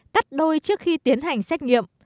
tắt đôi trước khi tiến hành xét nghiệm